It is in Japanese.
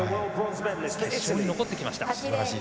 決勝に残ってきました。